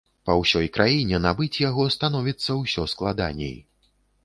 Па ўсёй краіне набыць яго становіцца ўсё складаней.